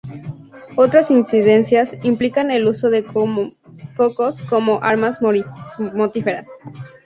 Otras incidencias implican el uso de cocos como armas mortíferas.